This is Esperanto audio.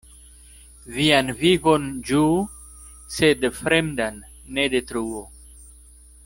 Vian vivon ĝuu, sed fremdan ne detruu.